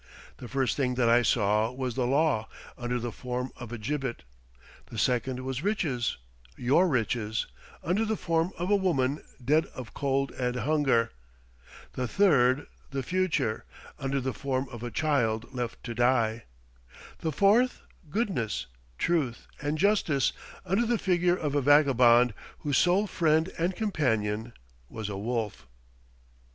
The first thing that I saw was the law, under the form of a gibbet; the second was riches, your riches, under the form of a woman dead of cold and hunger; the third, the future, under the form of a child left to die; the fourth, goodness, truth, and justice, under the figure of a vagabond, whose sole friend and companion was a wolf."